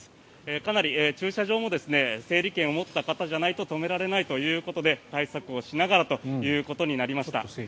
かなり、駐車場も整理券を持った方じゃないと止められないということで対策をしながらということになりました。